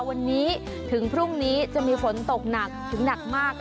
วันนี้ถึงพรุ่งนี้จะมีฝนตกหนักถึงหนักมาก